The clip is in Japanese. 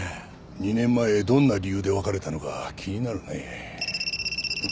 ２年前どんな理由で別れたのか気になるねえ。